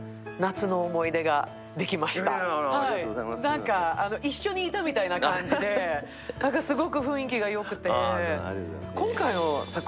なんか一緒にいたみたいな感じで、すごく雰囲気がよくて。